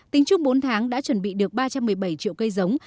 tính chung bốn tháng đã chuẩn bị được ba trăm một mươi bảy triệu cây giống